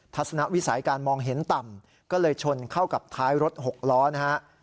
ทัศนวิสัยการมองเห็นต่ำก็เลยชนเข้ากับท้ายรถหกล้อนะฮะ